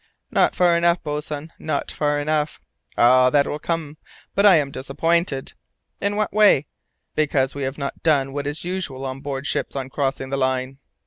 "Not far enough, boatswain, not far enough!" "Oh, that will come! But I am disappointed." "In what way?" "Because we have not done what is usual on board ships on crossing the Line!"